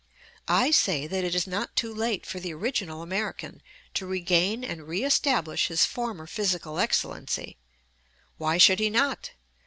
I say that it is not too late for the original American to regain and reëstablish his former physical excellency. Why should he not?